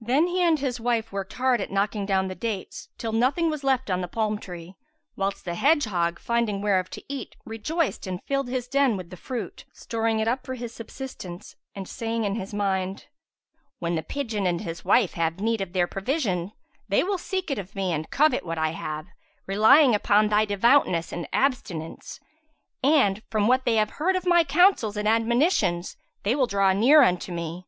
Then he and his wife worked hard at knocking down the dates, till nothing was left on the palm tree, whilst the hedgehog, finding whereof to eat, rejoiced and filled his den with the fruit, storing it up for his subsistence and saying in his mind, "When the pigeon and his wife have need of their provision, they will seek it of me and covet what I have, relying upon thy devoutness and abstinence; and, from what they have heard of my counsels and admonitions, they will draw near unto me.